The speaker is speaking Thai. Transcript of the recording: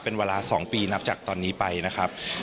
เป็นเวลา๒ปีนับจากตอนนี้ไปนะครับ